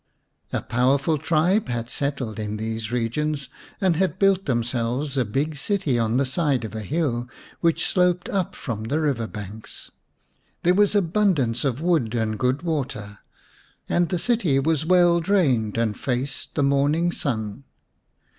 A powerful tribe had settled in these regions and had built themselves a big city on the side of a hill which sloped up from the river banks. 78 The Serpent's Bride There was abundance of wood and good water, and the city was well drained and faced the morning sun.